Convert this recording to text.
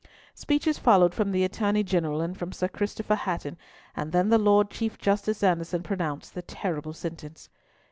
Speeches followed from the Attorney General, and from Sir Christopher Hatton, and then the Lord Chief Justice Anderson pronounced the terrible sentence.